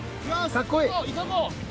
かっこいい。